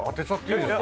いいですよ。